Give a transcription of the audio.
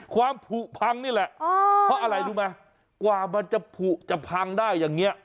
ความผูกพังนี่แหละเพราะอะไรรู้ไหมกว่ามันจะผูกจะพังได้อย่างนี้